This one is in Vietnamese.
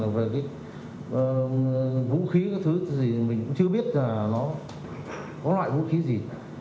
về cái vũ khí cái thứ gì mình cũng chưa biết là nó có loại vũ khí gì